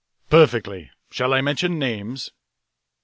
"Perfectly. Shall I mention names?"